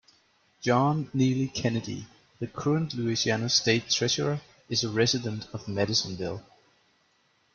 John Neely Kennedy, the current Louisiana State Treasurer, is a resident of Madisonville.